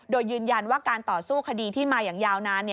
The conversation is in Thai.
โดยยืนยันว่าการต่อสู้คดีที่มาอย่างยาวนาน